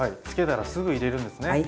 つけたらすぐ入れるんですね。